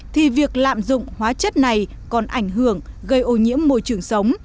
thì việc lạm dụng hóa chất này còn ảnh hưởng gây ô nhiễm môi trường sống